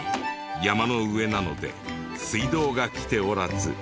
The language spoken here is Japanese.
山の上なので水道が来ておらず。